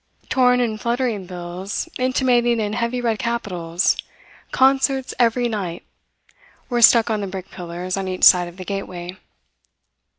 Torn, and fluttering bills, intimating in heavy red capitals CONCERTS EVERY NIGHT, were stuck on the brick pillars on each side of the gateway.